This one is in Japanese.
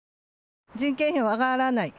人件費は上がらない。